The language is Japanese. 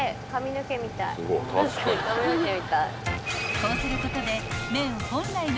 ［こうすることで］